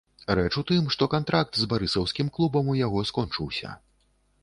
Рэч у тым, што кантракт з барысаўскім клубам у яго скончыўся.